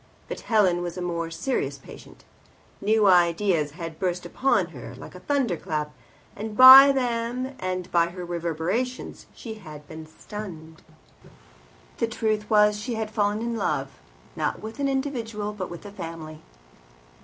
But Helen was a more serious patient. New ideas had burst upon her like a thunder clap, and by them and by her reverberations she had been stunned. The truth was that she had fallen in love, not with an individual, but with a family.